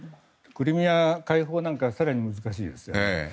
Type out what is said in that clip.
クリミア解放なんか更に難しいですよね。